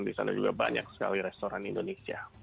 di sana juga banyak sekali restoran indonesia